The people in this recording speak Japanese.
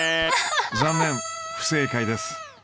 残念不正解です。